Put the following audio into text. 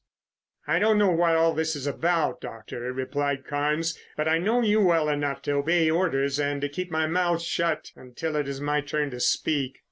"I don't know what this is all about, Doctor," replied Carnes, "but I know you well enough to obey orders and to keep my mouth shut until it is my turn to speak."